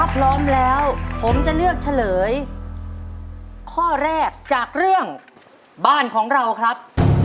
พร้อมแล้วผมจะเลือกเฉลยข้อแรกจากเรื่องบ้านของเราครับ